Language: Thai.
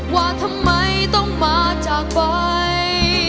ว่าทำไมต้องมาจากไป